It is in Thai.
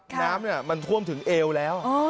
น้ำมันท่วมถึงเอวแล้ว